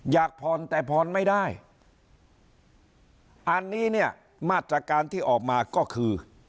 อยากผ่อนแต่ผ่อนไม่ได้อันนี้เนี่ยมาตรการที่ออกมาก็คือ